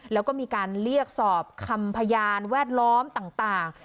แล้วก็มีการเรียกสอบคำพยานแวดล้อมต่าง